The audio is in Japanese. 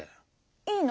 いいの？